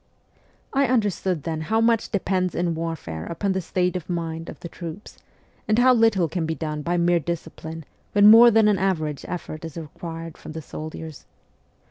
I understood then how much depends in warfare upon the state of mind of the troops, and how little can be done by mere discipline when more than an average effort is required from the soldiers.